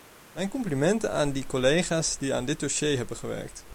Mijn complimenten aan die collega's die aan dit dossier hebben gewerkt.